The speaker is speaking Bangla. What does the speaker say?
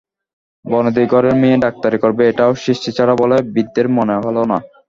বনেদি ঘরের মেয়ে ডাক্তারি করবে এটাও সৃষ্টিছাড়া বলে বৃদ্ধের মনে হল না।